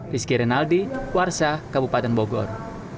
rizky renaldi warsa kabupaten bogor